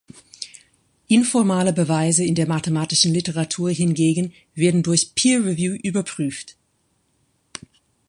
Informale Beweise in der mathematischen Literatur hingegen werden durch Peer-Review überprüft.